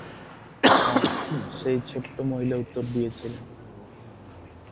হ্যাঁ, সেই ছোট্ট মহিলা উত্তর দিয়েছিলেন।